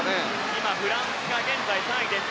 今、フランスが３位です。